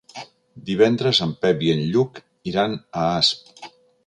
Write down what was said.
Divendres en Pep i en Lluc iran a Asp.